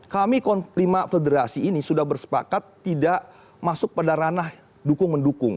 kami lima federasi ini sudah bersepakat tidak masuk pada ranah dukung mendukung